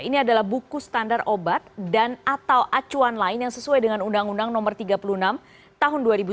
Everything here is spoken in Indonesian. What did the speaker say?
ini adalah buku standar obat dan atau acuan lain yang sesuai dengan undang undang nomor tiga puluh enam tahun dua ribu sembilan belas